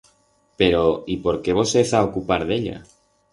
Pero y por qué vos hez a ocupar d'ella?